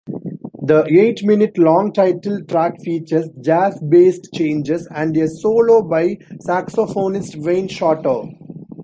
The eight-minute-long title track features jazz-based changes and a solo by saxophonist Wayne Shorter.